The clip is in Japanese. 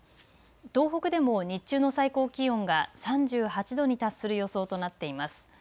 東北でも日中の最高気温が３８度に達する予想となっています。